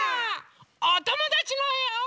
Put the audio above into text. おともだちのえを。